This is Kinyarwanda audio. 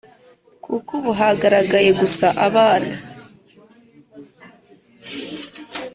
kuko ubu hagaragaye gusa abana